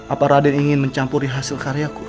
apa raden ingin mencampuri hasil karyaku